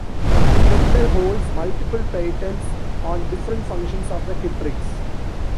Kettler holds multiple patents on different functions of the Kettrikes.